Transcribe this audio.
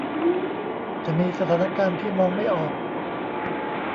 จะมีสถานการณ์ที่มองไม่ออก